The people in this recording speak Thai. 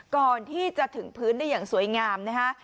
ก่อนที่จะถึงพื้นได้อย่างสวยงามนะฮะ